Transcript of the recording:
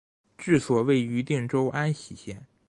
治所位于定州安喜县。